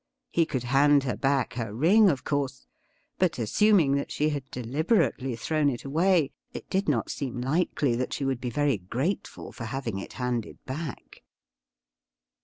He could hand her back her ring, of course ; but, assuming that she had deliberately thrown it away, it did not seem likely that she would be very grateful for having it handed back.